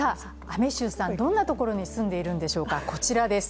雨柊さん、どんなところに住んでいるんでしょうか、こちらです。